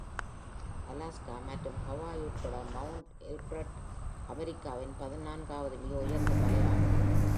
Alaska மற்றும் Hawaii உட்பட, mount Elbert அமெரிக்காவின் பதினான்காவது மிக உயர்ந்த மலை ஆகும்.